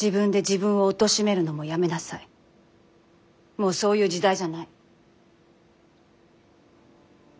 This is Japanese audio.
もうそういう時代じゃない。